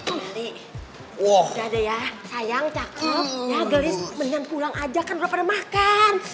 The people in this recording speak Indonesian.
udah deh ya sayang cakep ya gelis mendingan pulang aja kan udah pernah makan